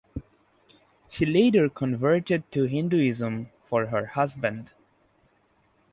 She later converted to Hinduism for her husband.